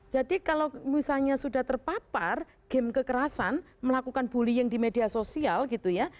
jadi kalau misalnya sudah terpapar game kekerasan melakukan bullying di media sosial gitu ya